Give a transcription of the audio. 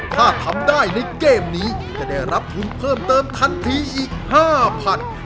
ถ้าทำได้ในเกมนี้จะได้รับทุนเพิ่มเติมทันทีอีก๕๐๐บาท